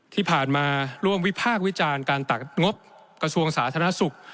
ที่ผ่านมาร่วมวิพากษ์วิจารณ์การตัดงบกระทรวงสาธารณสุข